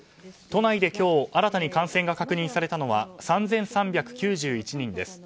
都内で今日新たに感染が確認されたのは３３９１人です。